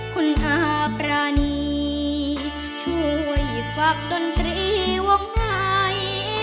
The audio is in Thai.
คนอากรานีช่วยฝากดนตรีวงนาย